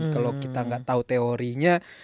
kalau kita gak tau teorinya